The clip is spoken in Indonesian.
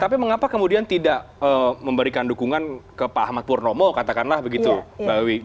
tapi mengapa kemudian tidak memberikan dukungan ke pak ahmad purnomo katakanlah begitu mbak wiwi